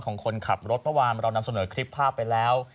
ของคนขับรถมือที่เราเรานำส่งในคลิปภาพไปแล้ว